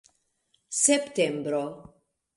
septembro